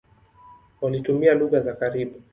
Walitumia lugha za karibu.